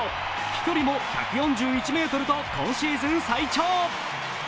飛距離も１４１ｍと今シーズン最長。